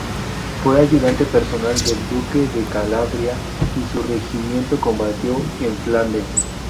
Fue ayudante personal del Duque de Calabria y su regimiento combatió en Flandes.